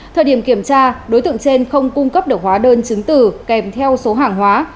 thời điểm kiểm tra đối tượng trên không cung cấp được hóa đơn chứng tử kèm theo số hàng hóa